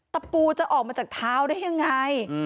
ตะปูจะออกมาจากเท้าได้ยังไง